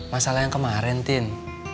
masalah yang kemarin tin